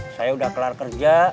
saya udah kelar kerja